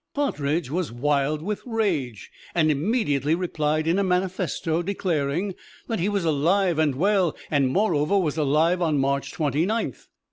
Partridge was wild with rage, and immediately replied in a manifesto declaring that he was alive and well, and moreover was alive on March Twenty ninth.